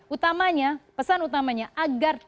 utamanya pesan utamanya agar